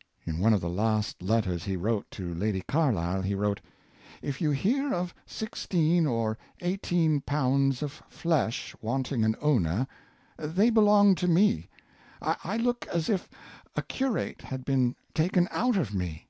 '' In one of the last letters he wrote to Lady Carlisle, he wrote: '' If you hear of sixteen or eighteen pounds of flesh wanting an owner, they belong to me. I look as if a curate had been taken out of me."